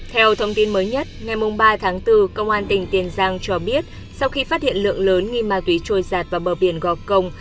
theo thông tin mới nhất ngày ba tháng bốn công an tỉnh tiền giang cho biết sau khi phát hiện lượng lớn nghi ma túy trôi giạt vào bờ biển gò công